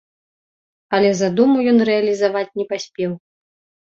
Але задуму ён рэалізаваць не паспеў.